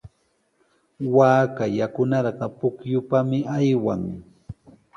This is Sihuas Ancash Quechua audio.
Waaka yakunarqa pukyupami aywan.